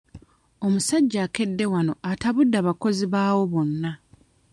Omusajja akedde wano atabudde abakozi baawo bonna.